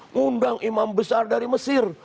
ngundang imam besar dari mesir